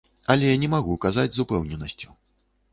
Але не магу казаць з упэўненасцю.